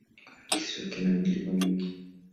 Kisiwa kina milima mingi.